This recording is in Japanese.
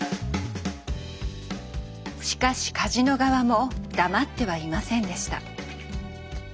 しかしカジノ側も黙ってはいませんでした。